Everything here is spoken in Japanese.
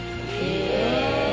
へえ！